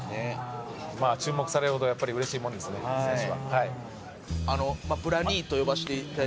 まあ注目されるほどやっぱり嬉しいものですね選手は。